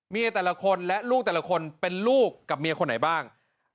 แต่ละคนและลูกแต่ละคนเป็นลูกกับเมียคนไหนบ้าง